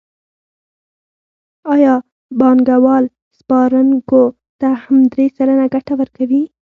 آیا بانکوال سپارونکو ته هم درې سلنه ګټه ورکوي